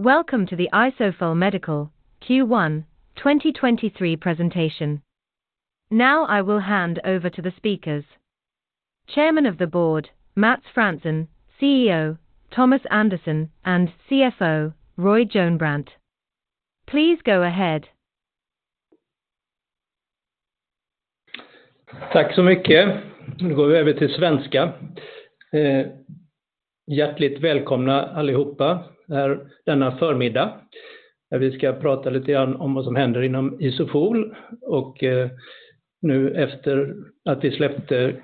Welcome to the Isofol Medical Q1 2023 presentation. I will hand over to the speakers. Chairman of the Board, Mats Franzén, CEO, Thomas Andersson and CFO, Roy Jonebrant. Please go ahead. Tack så mycket. Nu går vi över till svenska. Hjärtligt välkomna allihopa här denna förmiddag. Där vi ska prata lite grann om vad som händer inom Isofol och nu efter att vi släppte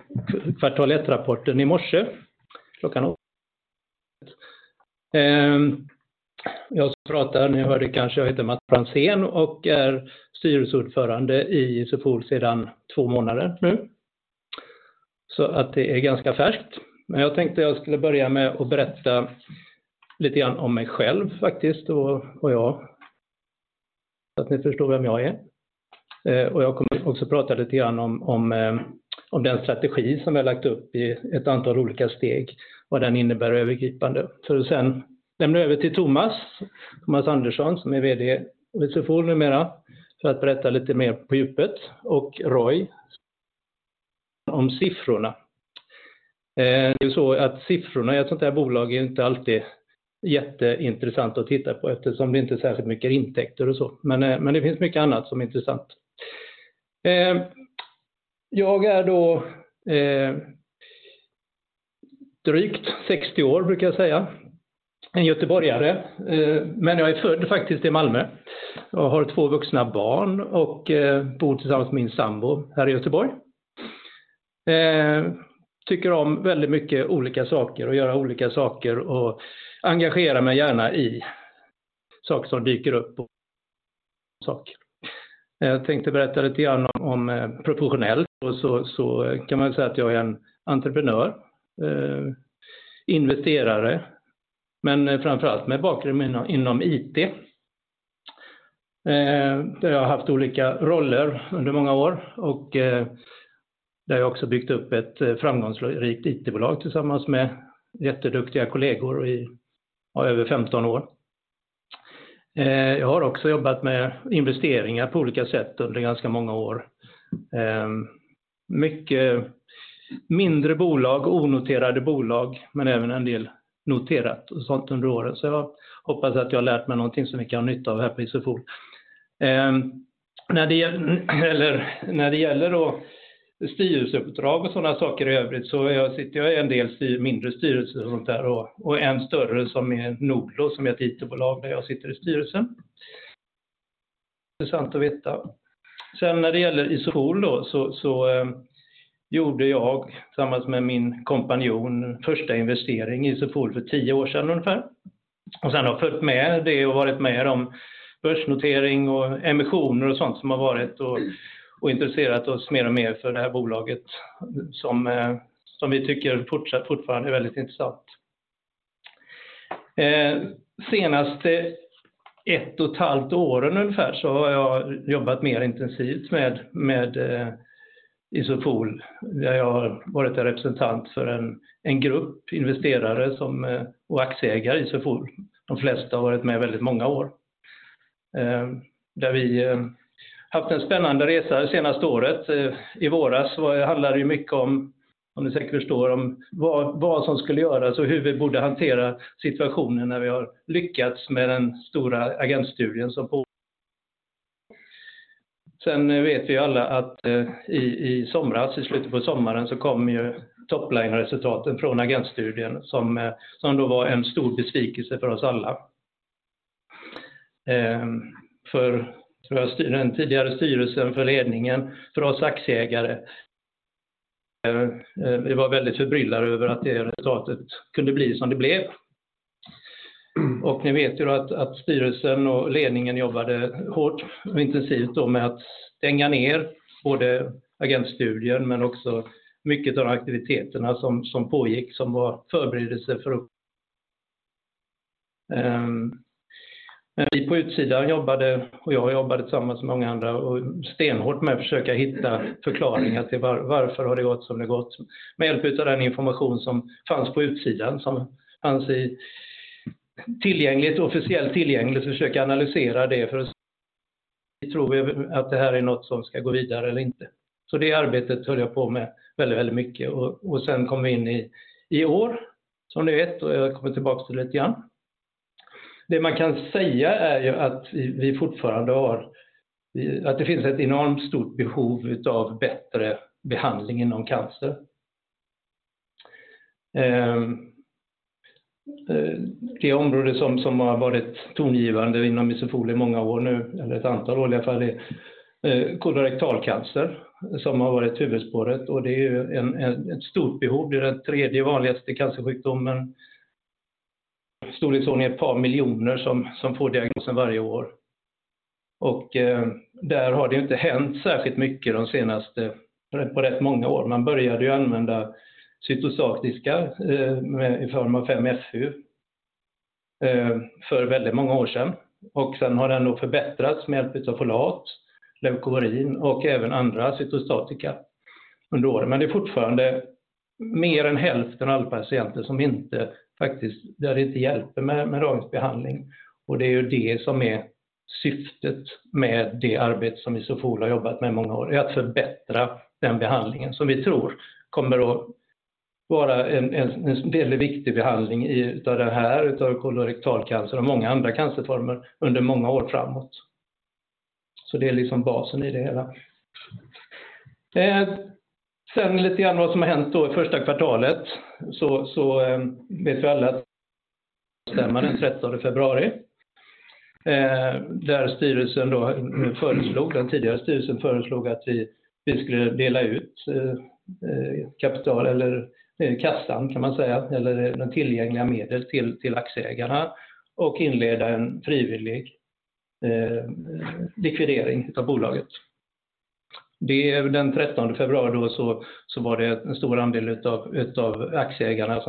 kvartal ett-rapporten i morse 8:00 A.M. Jag pratar, ni hörde kanske jag heter Mats Franzén och är styrelseordförande i Isofol sedan two months nu. Att det är ganska färskt. Jag tänkte jag skulle börja med att berätta lite grann om mig själv faktiskt och ja. Att ni förstår vem jag är. Jag kommer också prata lite grann om den strategi som vi har lagt upp i ett antal olika steg. Vad den innebär övergripande. För att sedan lämna över till Thomas Andersson som är VD för Isofol numera för att berätta lite mer på djupet och Roy om siffrorna. Det är så att siffrorna i ett sånt här bolag är inte alltid jätteintressant att titta på eftersom det inte är särskilt mycket intäkter och så. Det finns mycket annat som är intressant. Jag är då drygt 60 år brukar jag säga. En göteborgare, jag är född faktiskt i Malmö och har 2 vuxna barn och bor tillsammans med min sambo här i Göteborg. Tycker om väldigt mycket olika saker och göra olika saker och engagerar mig gärna i saker som dyker upp. Jag tänkte berätta lite grann om professionellt. Kan man ju säga att jag är en entreprenör, investerare, framför allt med bakgrund inom IT. Där jag har haft olika roller under många år och där jag också byggt upp ett framgångsrikt IT-bolag tillsammans med jätteduktiga kollegor i, ja över 15 år. Jag har också jobbat med investeringar på olika sätt under ganska många år. Mycket mindre bolag, onoterade bolag, men även en del noterat och sånt under åren. Jag hoppas att jag lärt mig någonting som vi kan ha nytta av här på Isofol. När det gäller då styrelseuppdrag och sådana saker i övrigt så sitter jag i en del mindre styrelser och sånt där och en större som är Nordlo, som är ett IT-bolag där jag sitter i styrelsen. Intressant att veta. När det gäller Isofol då så gjorde jag tillsammans med min kompanjon första investering i Isofol för 10 år sedan ungefär. Sedan har följt med det och varit med om börsnotering och emissioner och sånt som har varit och intresserat oss mer och mer för det här bolaget som vi tycker fortsatt fortfarande är väldigt intressant. Senaste ett och ett halvt år ungefär så har jag jobbat mer intensivt med Isofol där jag har varit en representant för en grupp investerare som och aktieägare i Isofol. De flesta har varit med väldigt många år. Där vi haft en spännande resa det senaste året. I våras handlar det ju mycket om ni säkert förstår, om vad som skulle göras och hur vi borde hantera situationen när vi har lyckats med den stora AGENT-studien som på. Vet vi alla att i somras, i slutet på sommaren så kom ju topline-resultaten från AGENT-studien som då var en stor besvikelse för oss alla. För den tidigare styrelsen, för ledningen, för oss aktieägare. Vi var väldigt förbryllade över att det resultatet kunde bli som det blev. Ni vet ju då att styrelsen och ledningen jobbade hårt och intensivt då med att stänga ner både AGENT-studien men också mycket utav aktiviteterna som pågick, som var förberedelse för att. Vi på utsidan jobbade och jag jobbade tillsammans med många andra och stenhårt med att försöka hitta förklaringar till varför har det gått som det gått. Med hjälp utav den information som fanns på utsidan, som fanns i tillgängligt, officiellt tillgängligt, försöka analysera det för oss. Vi tror att det här är något som ska gå vidare eller inte. Det arbetet höll jag på med väldigt mycket. Sedan kom vi in i år som ni vet och jag kommer tillbaka till det lite grann. Det man kan säga är ju att vi fortfarande har, att det finns ett enormt stort behov utav bättre behandling inom cancer. Det område som har varit tongivande inom Isofol i många år nu, eller ett antal år i alla fall, är kolorektalcancer som har varit huvudspåret och det är ju ett stort behov. Det är den tredje vanligaste cancersjukdomen. I storleksordning 2 miljoner som får diagnosen varje år. Där har det inte hänt särskilt mycket de senaste på rätt många år. Man började ju använda cytostatika i form av 5-FU för väldigt många år sedan och sen har den då förbättrats med hjälp utav folat, leucovorin och även andra cytostatika under året. Det är fortfarande mer än hälften av alla patienter som inte faktiskt, där det inte hjälper med strålningsbehandling. Det är ju det som är syftet med det arbetet som Isofol har jobbat med i många år. Det är att förbättra den behandlingen som vi tror kommer att vara en del i viktig behandling utav det här, kolorektalcancer och många andra cancerformer under många år framåt. Det är liksom basen i det hela. Sen lite grann vad som har hänt då i första kvartalet. Vi vet ju alla att stämman den 13th februari. Där den tidigare styrelsen föreslog att vi skulle dela ut kapital eller kassan kan man säga, eller de tillgängliga medel till aktieägarna och inleda en frivillig likvidering utav bolaget. Det den 13th februari då så var det en stor andel utav aktieägarna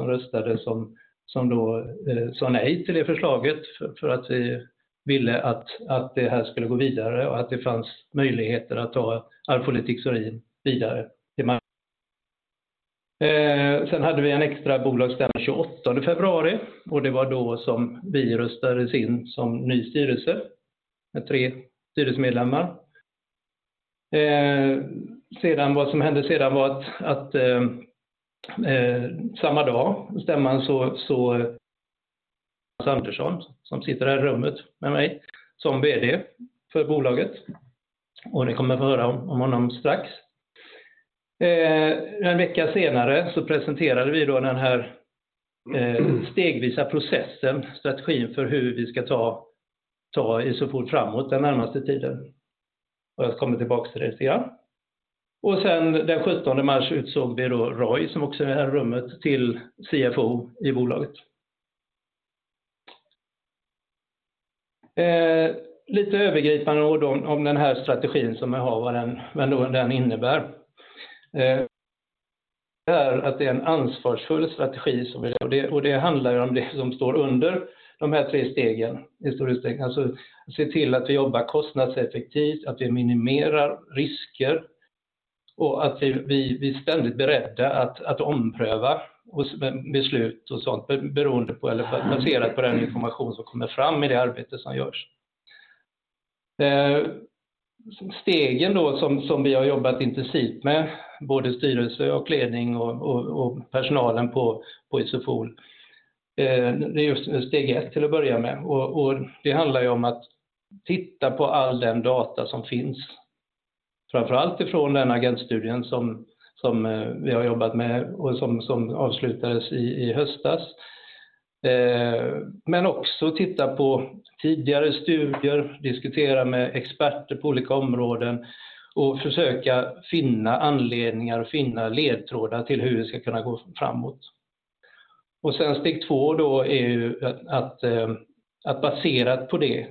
som då sa nej till det förslaget för att vi ville att det här skulle gå vidare och att det fanns möjligheter att ta Arfolitixorin vidare till marknaden. Sen hade vi en extra bolagsstämma 28th februari och det var då som vi röstades in som ny styrelse med 3 styrelsemedlemmar. Sedan, vad som hände sedan var samma dag, stämman, Thomas Andersson, som sitter här i rummet med mig, som VD för bolaget. Ni kommer att få höra om honom strax. En vecka senare så presenterade vi då den här stegvisa processen, strategin för hur vi ska ta Isofol framåt den närmaste tiden. Jag kommer tillbaka till det sedan. Sen den 17th mars utsåg vi då Roy, som också är här i rummet, till CFO i bolaget. Lite övergripande då om den här strategin som jag har, vad den innebär. Det är en ansvarsfull strategi som vi har. Det handlar ju om det som står under de här tre stegen i stor utsträckning. Alltså se till att vi jobbar kostnadseffektivt, att vi minimerar risker och att vi är ständigt beredda att ompröva oss med beslut och sånt beroende på, eller baserat på den information som kommer fram i det arbetet som görs. Stegen då som vi har jobbat intensivt med, både styrelse och ledning och personalen på Isofol. Det är just steg ett till att börja med och det handlar ju om att titta på all den data som finns, framför allt ifrån den AGENT-studien som vi har jobbat med och som avslutades i höstas. Också titta på tidigare studier, diskutera med experter på olika områden och försöka finna anledningar och finna ledtrådar till hur vi ska kunna gå framåt. Sen steg två då är ju att baserat på det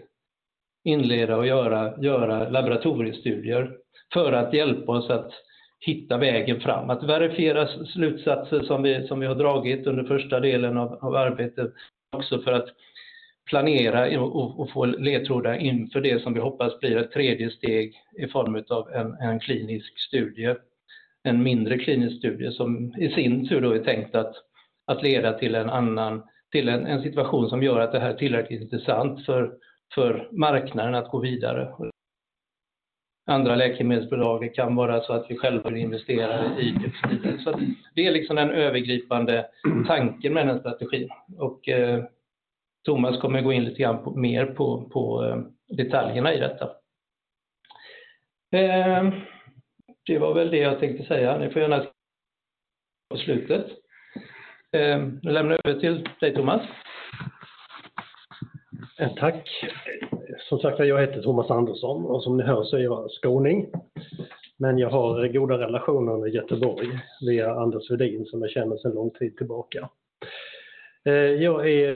inleda och göra laboratoriestudier för att hjälpa oss att hitta vägen fram. Att verifiera slutsatser som vi har dragit under första delen av arbetet, också för att planera och få ledtrådar inför det som vi hoppas blir ett tredje steg i form utav en klinisk studie. En mindre klinisk studie som i sin tur då är tänkt att leda till en annan, till en situation som gör att det här är tillräckligt intressant för marknaden att gå vidare. Andra läkemedelsbolag, det kan vara så att vi själva vill investera i det och så vidare. Det är liksom den övergripande tanken med den här strategin. Thomas kommer att gå in lite grann på mer på detaljerna i detta. Det var väl det jag tänkte säga. Ni får gärna... På slutet. Jag lämnar över till dig, Thomas. Tack. Som sagt var, jag heter Thomas Andersson och som ni hör så är jag skåning, men jag har goda relationer under Göteborg via Anders Vedin, som jag känner sedan lång tid tillbaka. Jag är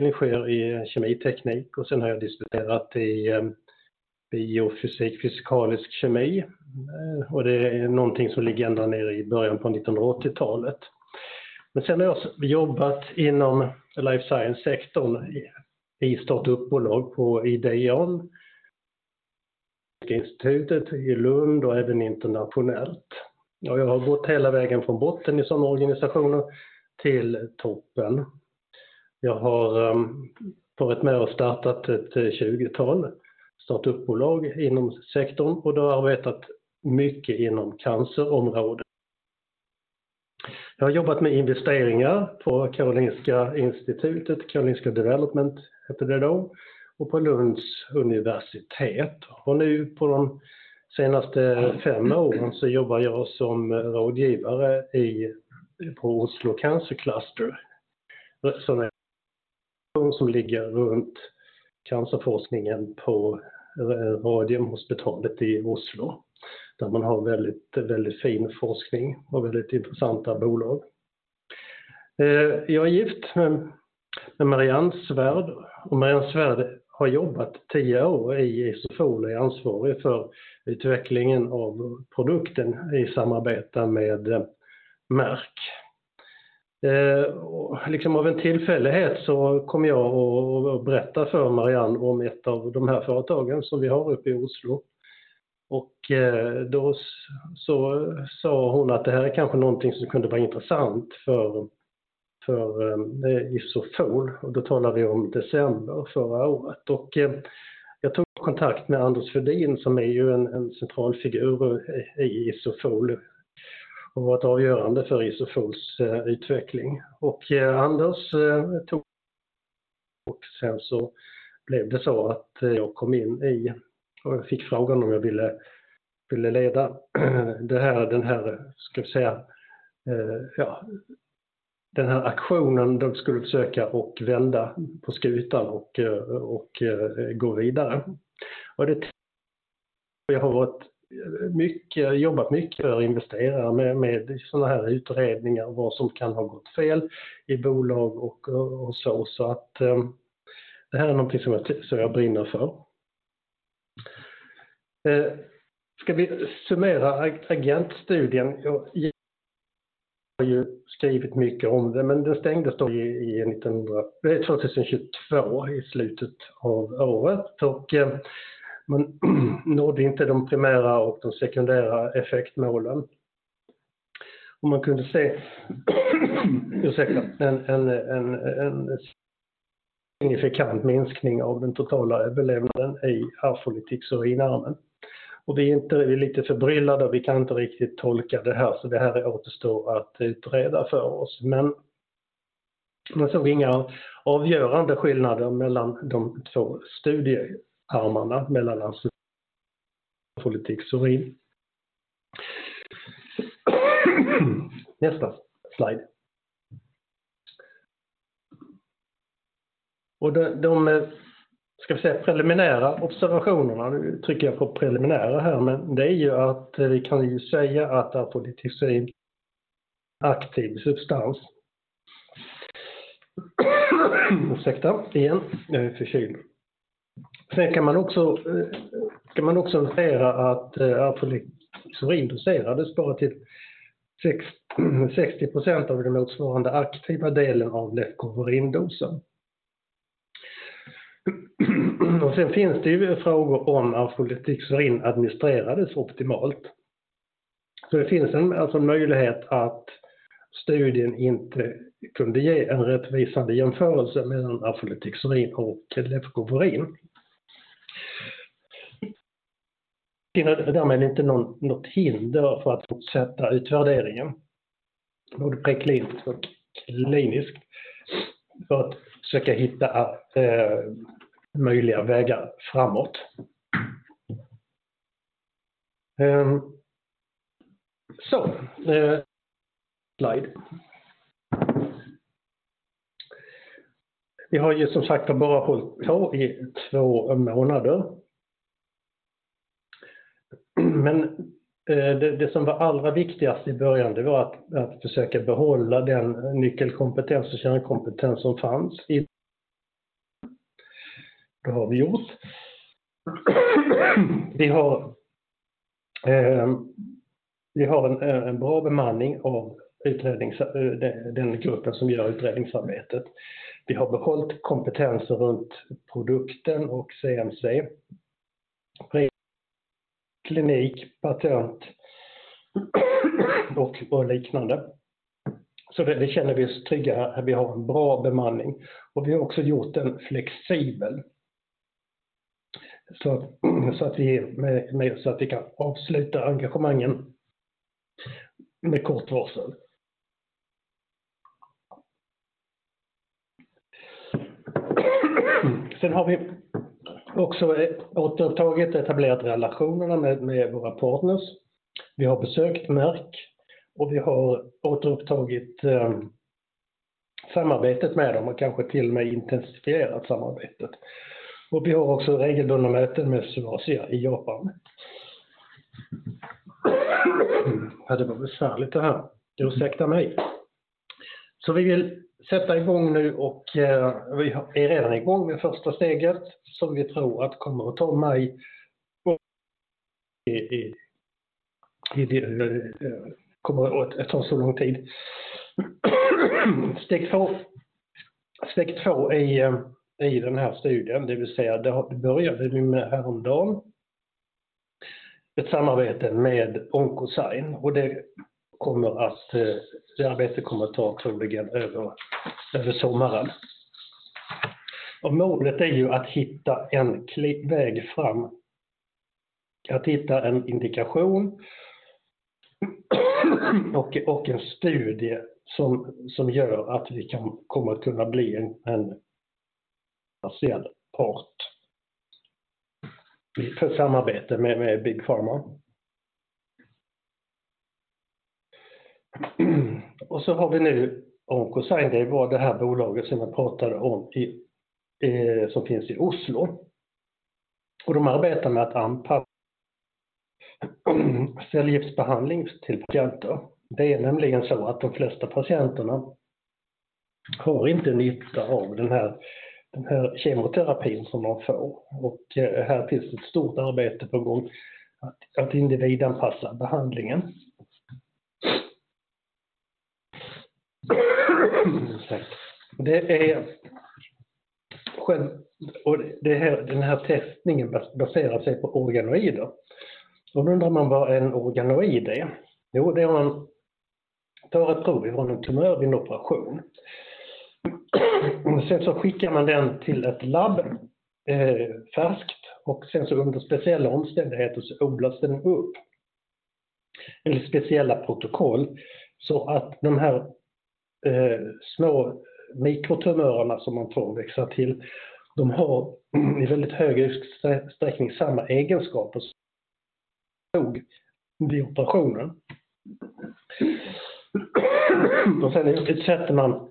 ingenjör i kemiteknik och sen har jag disputerat i biofysik, fysikalisk kemi och det är någonting som ligger ända nere i början på 1980-talet. Sen har jag jobbat inom life science-sektorn i startup-bolag på Ideon, institutet i Lund och även internationellt. Jag har gått hela vägen från botten i sådana organisationer till toppen. Jag har varit med och startat 20 startup-bolag inom sektorn och då arbetat mycket inom cancerområdet. Jag har jobbat med investeringar på Karolinska Institutet, Karolinska Development hette det då, och på Lunds universitet. Nu på de senaste 5 åren så jobbar jag som rådgivare i, på Oslo Cancer Cluster, en organisation som ligger runt cancerforskningen på Radiumhospitalet i Oslo, där man har väldigt fin forskning och väldigt intressanta bolag. Jag är gift med Marianne Svärd och Marianne Svärd har jobbat 10 år i Isofol, är ansvarig för utvecklingen av produkten i samarbeta med Merck. Av en tillfällighet så kom jag att berätta för Marianne om ett av de här företagen som vi har uppe i Oslo. Då så sa hon att det här är kanske någonting som kunde vara intressant för Isofol. Då talar vi om december förra året. Jag tog kontakt med Anders Vedin som är ju en central figur i Isofol och har varit avgörande för Isofol's utveckling. Anders tog... Sen så blev det så att jag kom in i och fick frågan om jag ville leda den här, ska vi säga, ja den här aktionen. De skulle försöka och vända på skutan och gå vidare. Jag har jobbat mycket för investerare med sådana här utredningar, vad som kan ha gått fel i bolag och så. Det här är någonting som jag brinner för. Ska vi summera AGENT-studien? Jag har ju skrivit mycket om det, men den stängdes då i 2022 i slutet av året och man nådde inte de primära och de sekundära effektmålen. Man kunde se en signifikant minskning av den totala belämnaden i arfolitixorinarmen. Vi är lite förbryllade och vi kan inte riktigt tolka det här, så det här återstår att utreda för oss. Man såg inga avgörande skillnader mellan de två studiearmarna, mellan arfolitixorin. Nästa slide. De, ska vi säga, preliminära observationerna, nu trycker jag på preliminära här, men det är ju att vi kan ju säga att arfolitixorin aktiv substans. Ursäkta igen, jag är förkyld. Kan man också notera att arfolitixorin doserades bara till 60% av den motsvarande aktiva delen av leucovorindosen. Finns det ju frågor om arfolitixorin administrerades optimalt. Det finns en möjlighet att studien inte kunde ge en rättvisande jämförelse mellan arfolitixorin och leucovorin. Därmed inte något hinder för att fortsätta utvärderingen, både prekliniskt och kliniskt, för att försöka hitta möjliga vägar framåt. Slide. Vi har ju som sagt bara hållit på i 2 månader. Det som var allra viktigast i början, det var att försöka behålla den nyckelkompetens och kärnkompetens som fanns i. Det har vi gjort. Vi har en bra bemanning av den gruppen som gör utredningsarbetet. Vi har behållit kompetenser runt produkten och CMC, preklinik, patent och liknande. Det känner vi oss trygga med. Vi har en bra bemanning och vi har också gjort den flexibel. Att vi kan avsluta engagemangen med kort varsel. Har vi också återtagit etablerat relationerna med våra partners. Vi har besökt Merck och vi har återupptagit samarbetet med dem och kanske till och med intensifierat samarbetet. Vi har också regelbundna möten med Solasia i Japan. Det var besvärligt det här. Ursäkta mig. Vi vill sätta i gång nu och vi är redan i gång med första steget som vi tror att kommer att ta maj. Det kommer att ta så lång tid. Steg two i den här studien, det vill säga det började ju häromdagen, ett samarbete med Oncosyne och det arbetet kommer att ta troligen över sommaren. Målet är ju att hitta en väg fram, att hitta en indikation och en studie som gör att vi kommer att kunna bli en potentiell part för samarbete med Big Pharma. Har vi nu Oncosyne, det var det här bolaget som jag pratade om som finns i Oslo. De arbetar med att anpassa cellgiftsbehandling till patienter. Det är nämligen så att de flesta patienterna har inte nytta av den här, den här kemoterapin som man får. Här finns ett stort arbete på gång att individanpassa behandlingen. Det här, den här testningen baserar sig på organoider. Undrar man vad en organoid är? Jo, det är man tar ett prov ifrån en tumör vid en operation. Sen så skickar man den till ett labb, färskt och sen så under speciella omständigheter så odlas den upp. Eller speciella protokoll så att de här små mikrotumörerna som man får växa till, de har i väldigt hög utsträckning samma egenskaper som vid operationen. Sen utsätter man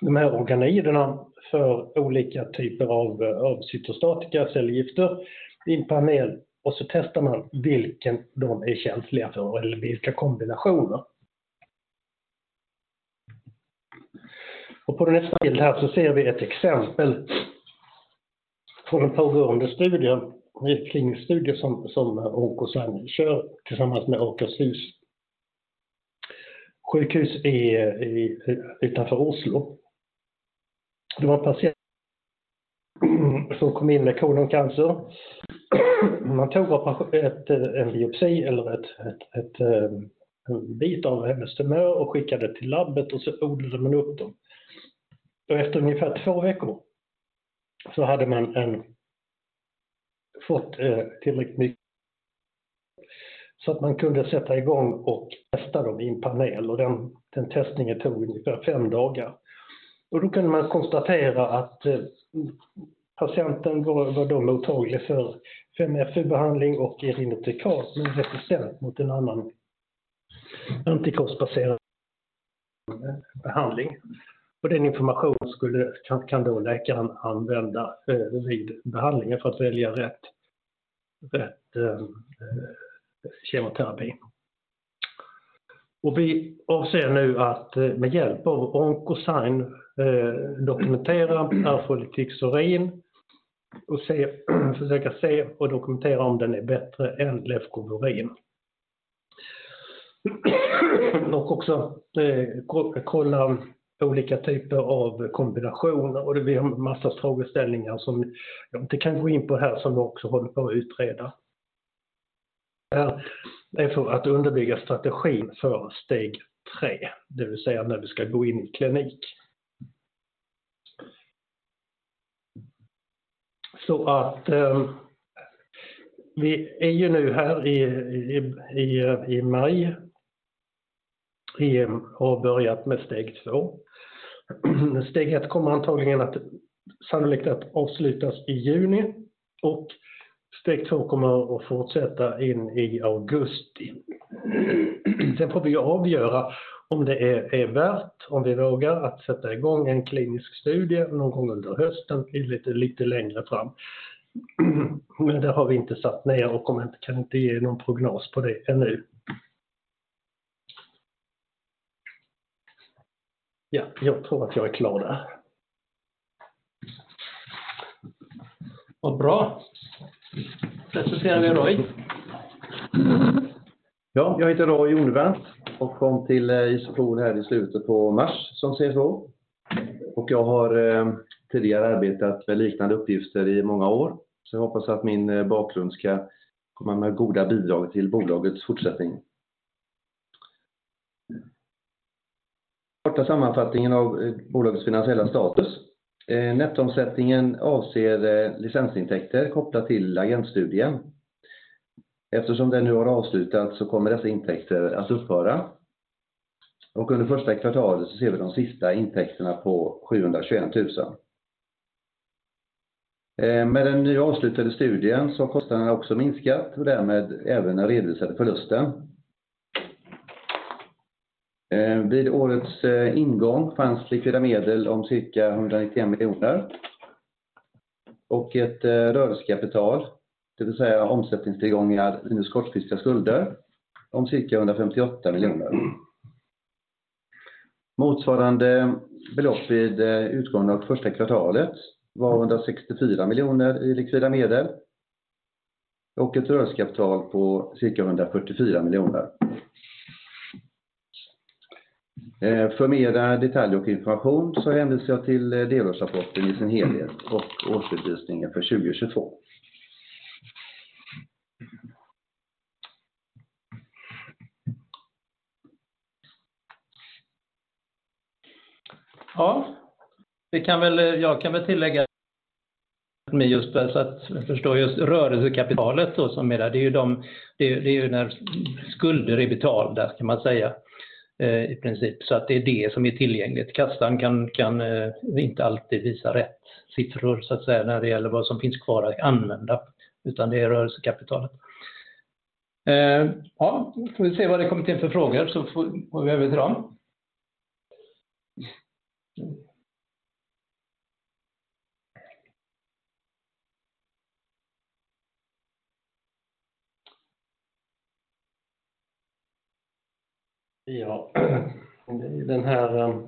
de här organoiderna för olika typer av cytostatika, cellgifter in per ml och så testar man vilken de är känsliga för eller vilka kombinationer. På nästa bild här så ser vi ett exempel från en pågående studie. En klinisk studie som Oncosyne kör tillsammans med Akershus sjukhus i utanför Oslo. Det var en patient som kom in med koloncancer. Man tog en biopsi eller en bit av hennes tumör och skickade till labbet så odlade man upp dem. Efter ungefär två veckor så hade man fått tillräckligt mycket så att man kunde sätta i gång och testa dem i en panel och den testningen tog ungefär fem dagar. Då kunde man konstatera att patienten var då mottaglig för 5-FU behandling och irinotecan, men resistent mot en annan antikroppsbaserad behandling. Den information skulle, kan då läkaren använda vid behandlingen för att välja rätt, eh, kemoterapi. Vi avser nu att med hjälp av Oncosyne dokumentera arfolitixorin och se, försöka se och dokumentera om den är bättre än leucovorin. Också kolla olika typer av kombinationer. Vi har massa frågeställningar som jag inte kan gå in på här som vi också håller på att utreda. Det är för att underbygga strategin för steg 3, det vill säga när vi ska gå in i klinik. Så att vi är ju nu här i maj och har börjat med steg 2. Steg 1 kommer sannolikt att avslutas i juni och steg 2 kommer att fortsätta in i augusti. får vi avgöra om det är värt, om vi vågar att sätta i gång en klinisk studie någon gång under fall, lite längre fram. Det har vi inte satt ner och kan inte ge någon prognos på det ännu. Jag tror att jag är klar där. Vad bra. Presenterar vi Roy. Jag heter Roy Jonebrant och kom till Isofol här i slutet på mars som CSO. Jag har tidigare arbetat med liknande uppgifter i många år. Jag hoppas att min bakgrund ska komma med goda bidrag till bolagets fortsättning. Korta sammanfattningen av bolagets finansiella status. Nettoomsättningen avser licensintäkter kopplat till AGENT-studien. Eftersom den nu har avslutats så kommer dessa intäkter att upphöra. Under first quarter så ser vi de sista intäkterna på 721,000. Med den nya avslutade studien så har kostnaderna också minskat och därmed även den redovisade förlusten. Vid årets ingång fanns likvida medel om cirka 191 million och ett rörelsekapital, det vill säga omsättningstillgångar minus kortfristiga skulder om cirka SEK 158 million. Motsvarande belopp vid utgången av first quarter var 164 million i likvida medel och ett rörelsekapital på cirka 144 million. för mera detalj och information så hänvisar jag till delårsrapporten i sin helhet och årsredovisningen för 2022. Vi kan väl, jag kan väl tillägga just det så att vi förstår just rörelsekapitalet då som är där. Det är ju de, det är ju när skulder är betalda kan man säga, i princip. Det är det som är tillgängligt. Kassan kan inte alltid visa rätt siffror så att säga när det gäller vad som finns kvar att använda, utan det är rörelsekapitalet. Får vi se vad det kommer in för frågor så får vi över till dem. Den här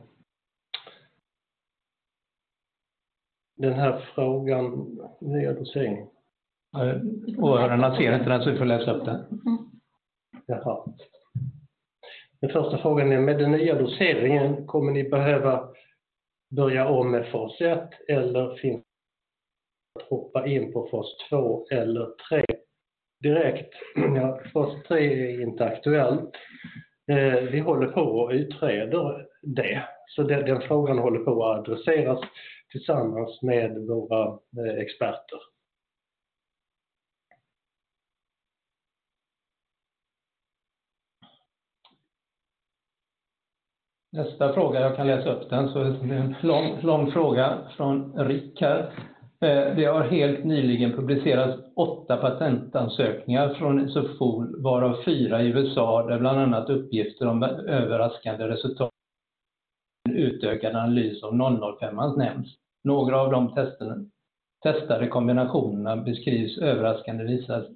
frågan, nya dosering. Åhörarna ser inte den så du får läsa upp den. Jaha. Den första frågan är: Med den nya doseringen, kommer ni behöva börja om med phase I eller finns det att hoppa in på phase II eller III direkt? Phase III är inte aktuell. Vi håller på och utreder det. Den frågan håller på att adresseras tillsammans med våra experter. Nästa fråga, jag kan läsa upp den. Det är en lång fråga från Rickard. Det har helt nyligen publicerats 8 patentansökningar från Isofol, varav 4 i USA, där bland annat uppgifter om överraskande resultat, en utökad analys av ISO-CC-005 nämns. Några av de testade kombinationerna beskrivs överraskande visar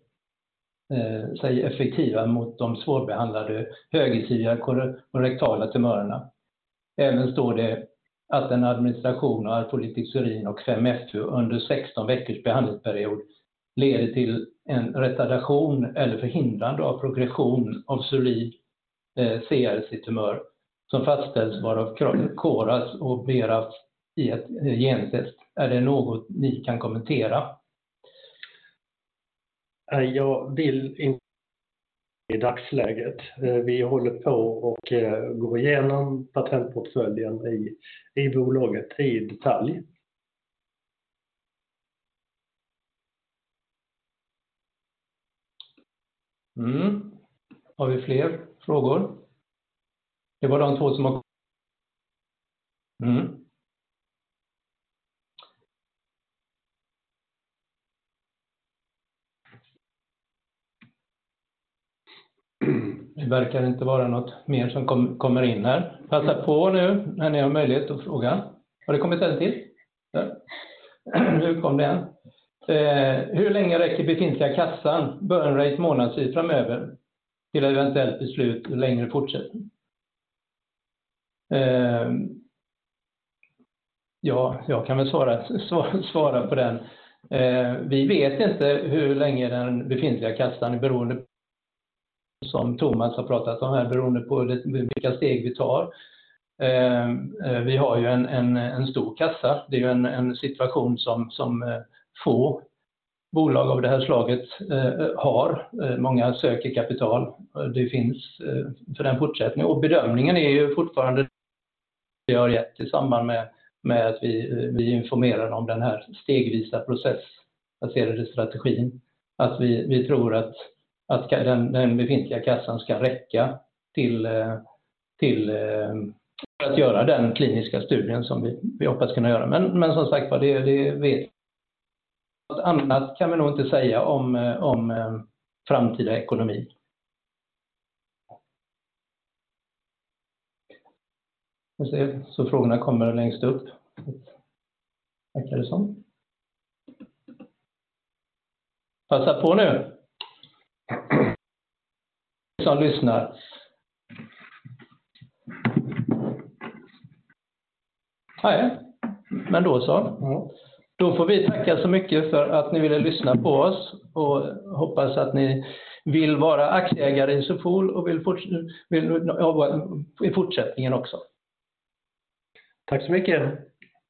sig effektiva mot de svårbehandlade högersidiga kolorektala tumörerna. Även står det att en administration av arfolitixorin och 5-FU under 16 veckors behandlingsperiod leder till en retardation eller förhindrande av progression av xori CR-tumör som fastställs vara kårats och berats i ett gensätt. Är det något ni kan kommentera? Jag vill inte i dagsläget. Vi håller på och går igenom patentportföljen i bolaget i detalj. Har vi fler frågor? Det var de 2 som har kommit. Det verkar inte vara något mer som kommer in här. Passa på nu när ni har möjlighet att fråga. Har det kommit 1 till? Nu kom den. Hur länge räcker befintliga kassan burn rate månadssyn framöver till eventuellt beslut längre fortsättning? Ja, jag kan väl svara på den. Vi vet inte hur länge den befintliga kassan är beroende, som Thomas har pratat om här, beroende på vilka steg vi tar. Vi har ju 1 stor kassa. Det är en situation som få bolag av det här slaget har. Många söker kapital. Det finns för den fortsättning. Bedömningen är ju fortfarande det vi har gett tillsammans med att vi informerar om den här stegvisa process baserade strategin. Att vi tror att den befintliga kassan ska räcka till för att göra den kliniska studien som vi hoppas kunna göra. Som sagt var, det vet vi. Något annat kan vi nog inte säga om framtida ekonomi. Ser jag så frågorna kommer längst upp. Verkar det som. Passa på nu. Ni som lyssnar. Då så. Får vi tacka så mycket för att ni ville lyssna på oss och hoppas att ni vill vara aktieägare i Isofol och vill vara i fortsättningen också. Tack så mycket.